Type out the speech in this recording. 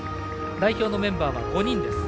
代表のメンバーは５人です。